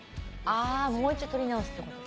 あもう一度とり直すってこと。